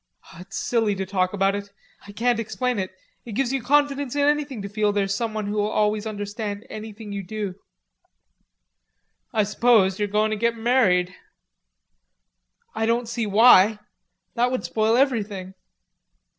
"It's silly to talk about it. I can't explain it.... It gives you confidence in anything to feel there's someone who'll always understand anything you do." "I s'pose you're goin' to git married." "I don't see why. That would spoil everything."